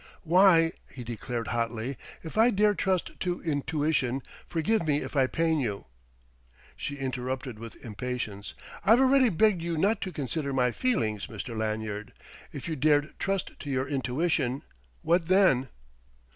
"Why," he declared hotly "if I dare trust to intuition forgive me if I pain you " She interrupted with impatience: "I've already begged you not to consider my feelings, Mr. Lanyard! If you dared trust to your intuition what then?"